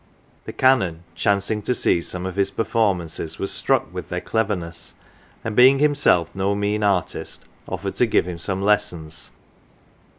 The Canon chancing to see some of his performances was struck with their 56 CELEBRITIES cleverness, and being himself no mean artist offered to give him some lessons.